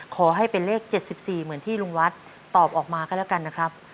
ขอให้เป็นเลข๗๔เหมือนที่ลุงวัดตอบออกมาก็แล้วกันนะครับ